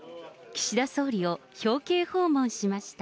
岸田総理を表敬訪問しました。